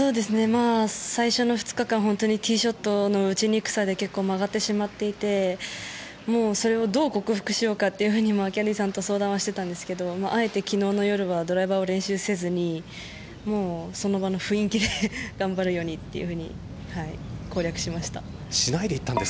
最初の２日間本当にティーショットの打ちにくさで曲がってしまっていてそれをどう克服しようかというふうにキャディーさんと相談をしていたんですけどあえて昨日の夜はドライバーを練習せずにその場の雰囲気で頑張るようにというふうに攻略しました。